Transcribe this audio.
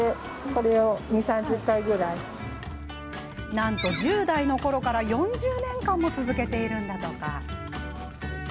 なんと１０代のころから４０年も続けているんだとか。